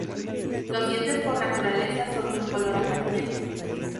Los dientes por naturaleza son de un color amarillento.